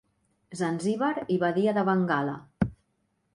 Zanzíbar i Badia de Bengala.